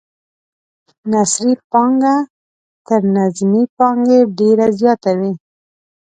نثري پانګه تر نظمي پانګې ډیره زیاته وي.